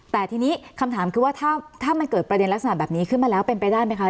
แต่ทีนี้คำถามคือว่าถ้ามันเกิดประเด็นลักษณะแบบนี้ขึ้นมาแล้วเป็นไปได้ไหมคะ